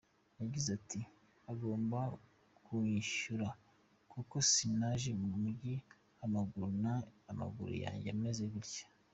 Yagize ati “Agomba kunyishyura kuko si naje mu Mujyi amaguru yanjye ameze atya.